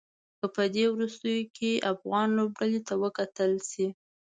که په دې وروستيو کې افغان لوبډلې ته وکتل شي.